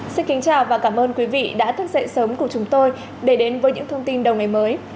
xin kính chào và cảm ơn quý vị đã thức dậy sớm cùng chúng tôi để đến với những thông tin đầu ngày mới